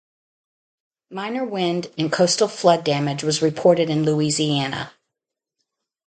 Minor wind and coastal flood damage was reported in Louisiana.